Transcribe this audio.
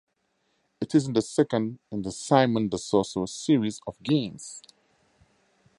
It is the second in the "Simon the Sorcerer" series of games.